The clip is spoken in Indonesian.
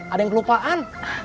ada yang kelupaan